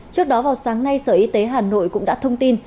trước đó vào sáng nay sở y tế hà nội cũng đã thông tin